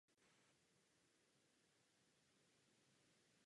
Celá situace je znázorněna na obr.